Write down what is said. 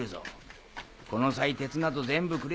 この際鉄など全部くれてやれ。